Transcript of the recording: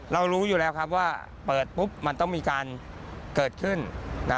รู้อยู่แล้วครับว่าเปิดปุ๊บมันต้องมีการเกิดขึ้น